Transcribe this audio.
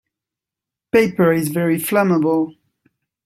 Paper is very flammable.